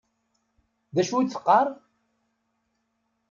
D acu i d-teqqaṛ?